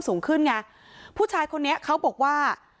สูงขึ้นไงผู้ชายคนนี้เขาบอกว่า